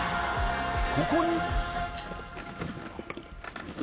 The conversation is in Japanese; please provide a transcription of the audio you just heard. ここに。